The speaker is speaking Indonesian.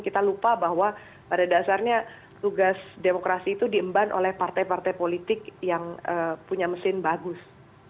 kita lupa bahwa pada dasarnya tugas demokrasi itu diemban oleh partai partai politik yang punya mesin bagus